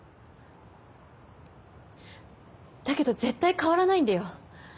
だけど絶対変わらないんだよ。